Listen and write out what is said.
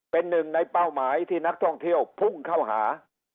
เป็นหนึ่งในเป้าหมายที่นักท่องเที่ยวพุ่งเข้าหา